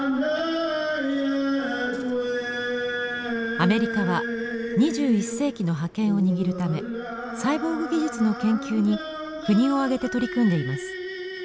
アメリカは２１世紀の覇権を握るためサイボーグ技術の研究に国を挙げて取り組んでいます。